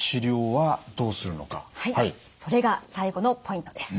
はいそれが最後のポイントです。